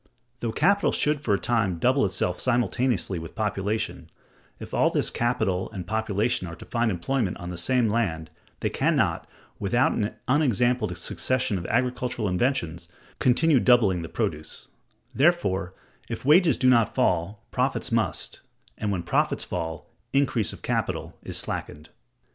Though capital should for a time double itself simultaneously with population, if all this capital and population are to find employment on the same land, they can not, without an unexampled succession of agricultural inventions, continue doubling the produce; therefore, if wages do not fall, profits must; and, when profits fall, increase of capital is slackened.